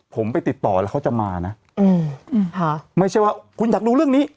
ผมไปติดต่อแล้วเขาจะมานะไม่ใช่ว่าคุณอยากดูเรื่องนี้